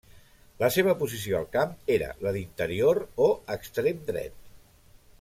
La seva posició al camp era la d'interior o extrem dret.